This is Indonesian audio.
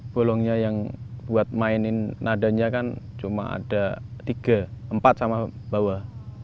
bolongnya yang buat mainin nadanya kan cuma ada tiga empat sama bawah